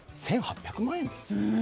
１８００万円ですよ？